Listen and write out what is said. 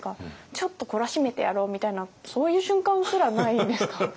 ちょっと懲らしめてやろうみたいなそういう瞬間すらないんですか？